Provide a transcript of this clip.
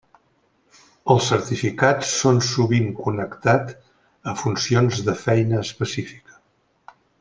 Els certificats són sovint connectat a funcions de feina específica.